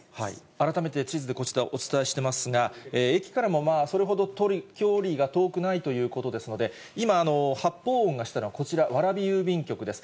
改めて、地図でこちら、お伝えしてますが、駅からもそれほど距離が遠くないということですので、今、発砲音がしたのはこちら、蕨郵便局です。